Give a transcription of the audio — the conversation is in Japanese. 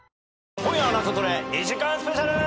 『今夜はナゾトレ』２時間スペシャル！